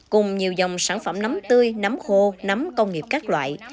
cùng nhiều dòng sản phẩm nắm tươi nắm khô nắm công nghiệp các loại